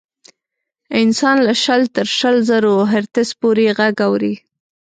انسان له شل تر شل زرو هرتز پورې غږ اوري.